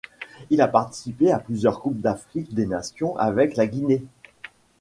Il a participé à plusieurs Coupe d'Afrique des nations avec la Guinée.